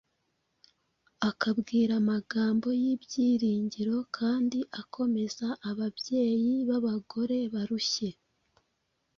akabwira amagambo y’ibyiringiro kandi akomeza ababyeyi b’abagore barushye.